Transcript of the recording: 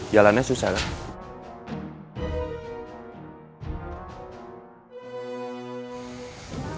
jalannya susah lah